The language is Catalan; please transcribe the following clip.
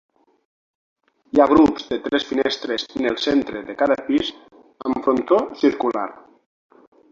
Hi ha grups de tres finestres en el centre de cada pis amb frontó circular.